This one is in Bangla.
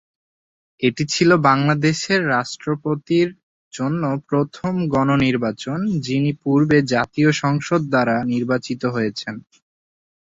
এটি ছিল বাংলাদেশের রাষ্ট্রপতির জন্য প্রথম গণ নির্বাচন যিনি পূর্বে জাতীয় সংসদ দ্বারা নির্বাচিত হয়েছেন।